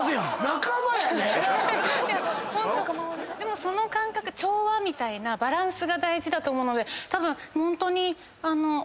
仲間やで⁉でもその感覚調和みたいなバランスが大事だと思うのでたぶんホントに髪の毛とか。